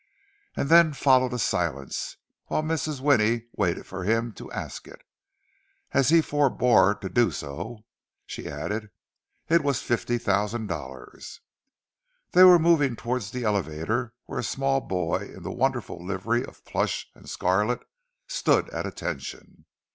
And then followed a silence, while Mrs. Winnie waited for him to ask it. As he forebore to do so, she added, "It was fifty thousand dollars." They were moving towards the elevator, where a small boy in the wonderful livery of plush and scarlet stood at attention.